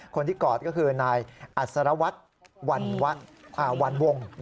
คนที่กอดก็คือนายอัสระวัตวันวง